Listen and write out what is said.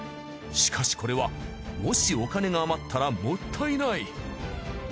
しかしこれはもしお金が余ったらもったいない。